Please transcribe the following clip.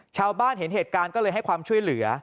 ชาวบ้านเห็นเหตุการณ์ก็เลยให้ความช่วยเหลือ